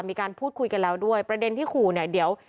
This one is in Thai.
มีการพูดคุยกันแล้วด้วยประเด็นที่ขู่เนี่ยเดี๋ยว